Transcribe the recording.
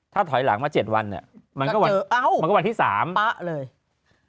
ถ้าถอยหลังมา๗วันมันก็วันที่๓เอง